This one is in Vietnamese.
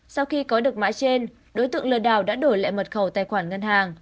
sau khi có được mã trên đối tượng lừa đảo đã đổi lại mật khẩu tài khoản ngân hàng